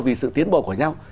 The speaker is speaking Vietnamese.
vì sự tiến bộ của nhau